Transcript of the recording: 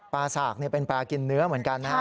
สากเป็นปลากินเนื้อเหมือนกันนะฮะ